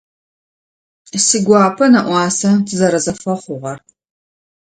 Сигуапэ нэӏуасэ тызэрэзэфэхъугъэр.